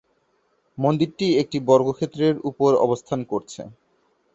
মন্দিরটি একটি বর্গক্ষেত্রের উপর অবস্থান করছে।